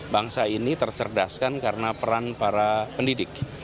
bangsa ini tercerdaskan karena peran para pendidik